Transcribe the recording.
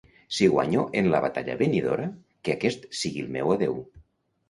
Si guanyo en la batalla venidora, que aquest sigui el meu adeu.